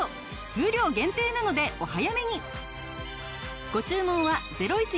数量限定なのでお早めに！